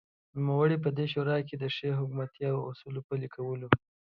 نوموړی په دې شورا کې دښې حکومتولۍ او اصولو پلې کولو